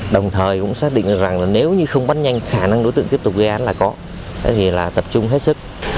đồng thời cũng xác định rằng là nếu như không bắt nhanh khả năng đối tượng tiếp tục gây án là có thì là tập trung hết sức